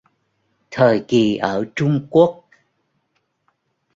Thời kỳ ở Trung Quốc